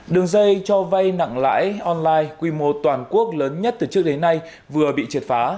đường dây cho vay nặng lãi online quy mô toàn quốc lớn nhất từ trước đến nay vừa bị triệt phá